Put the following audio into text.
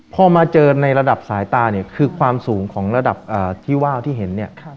พอมาเจอในระดับสายตาเนี่ยคือความสูงของระดับที่ว่าวที่เห็นเนี่ย